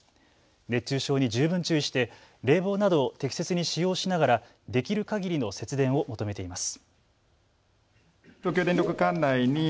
熱中症に十分注意して冷房などを適切に使用しながらできるかぎりの節電を求めています。